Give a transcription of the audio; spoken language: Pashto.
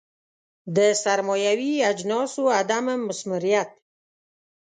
د سرمایوي اجناسو عدم مثمریت.